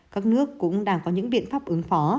các nước cũng đang có những biện pháp ứng phó